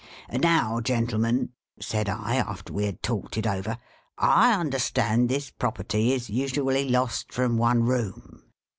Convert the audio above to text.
"' Now, gentlemen,' said I, after we had talked it over, ;' I understand this property is usually lost from one room.'